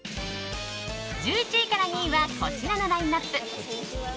１１位から２位はこちらのラインアップ。